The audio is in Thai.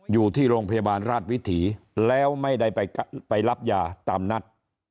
อยู่ที่โรงพยาบาลราชวิถีแล้วไม่ได้ไปรับยาตามนัด